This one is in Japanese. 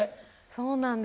そうなんです。